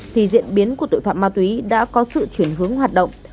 thì diễn biến của tội phạm ma túy đã có sự chuyển hướng hoạt động